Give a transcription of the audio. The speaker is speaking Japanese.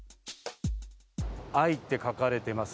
愛って書かれています。